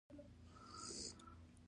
خو عواطفو ته مې اجازه ور نه کړه او ودېردم